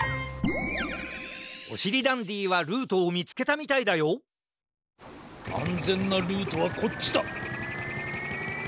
おしりダンディはルートをみつけたみたいだよあんぜんなルートはこっちだ！